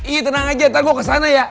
iya tenang aja ntar gue kesana ya